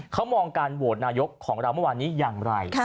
เขามองการโหวตนายกของเราเมื่อวานนี้อย่างไร